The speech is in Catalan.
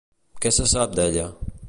Què se sap d'ella?